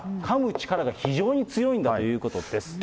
力が非常に強いんだということです。